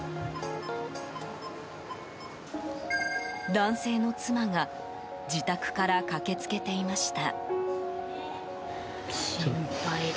男性の妻が自宅から駆けつけていました。